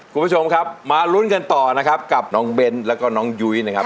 คุณผู้ชมครับมาลุ้นกันต่อนะครับกับน้องเบ้นแล้วก็น้องยุ้ยนะครับ